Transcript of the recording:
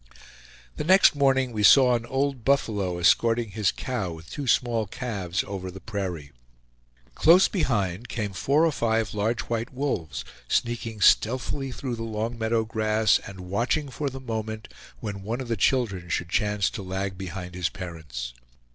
The next morning we saw an old buffalo escorting his cow with two small calves over the prairie. Close behind came four or five large white wolves, sneaking stealthily through the long meadow grass, and watching for the moment when one of the children should chance to lag behind his parents.